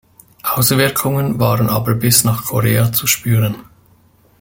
Auswirkungen waren aber bis nach Korea zu spüren.